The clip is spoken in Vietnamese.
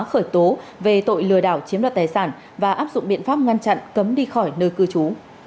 khởi tố về tội lừa đảo chiếm đoạt tài sản và áp dụng biện pháp ngăn chặn cấm đi khỏi nơi cư trú